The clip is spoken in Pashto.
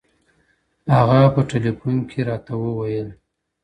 هغه په ټلیفون کي راته وویل